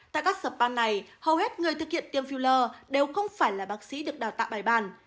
tại các sở ban này hầu hết người thực hiện tiêm filler đều không phải là bác sĩ được đào tạo bài bàn